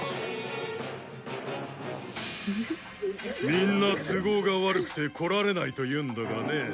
みんな都合が悪くて来られないと言うんだがね。